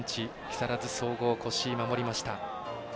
木更津総合、越井守りました。